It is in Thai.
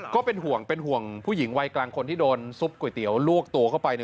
ก็เป็นห่วงเป็นห่วงผู้หญิงวัยกลางคนที่โดนซุปก๋วยเตี๋ยวลวกตัวเข้าไป